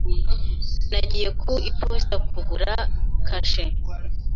Nagiye ku iposita kugura kashe.